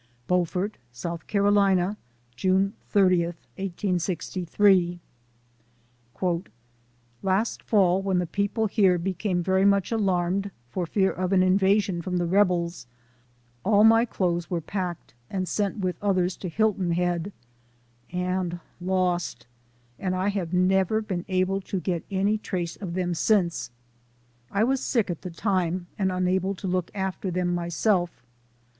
"' BEAUFORT, S. C., June 30, 1868. "' Last fall, when the people here became very much alarmed for fear of an invasion from the rebels, all my clothes were packed and sent with others to Hilton Head, and lost ; and I have never been able to get any trace of them since. I was sick at the time, and unable to look after them my self.